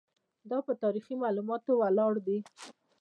دا په تاریخي معلوماتو ولاړ دی.